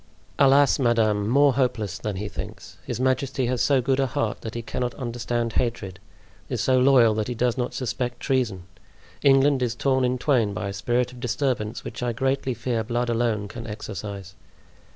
"Alas! madame, more hopeless than he thinks. His majesty has so good a heart that he cannot understand hatred; is so loyal that he does not suspect treason! England is torn in twain by a spirit of disturbance which, I greatly fear, blood alone can exorcise."